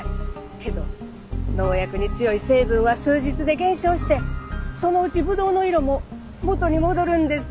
けど農薬に強い成分は数日で減少してそのうちぶどうの色も元に戻るんです。